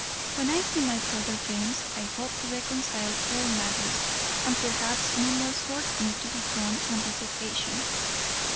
when I see my brother James, I hope to reconcile all matters, and perhaps no more swords need be drawn on this occasion."